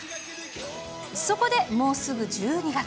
そこで、もうすぐ１２月。